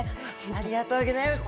ありがとうございます。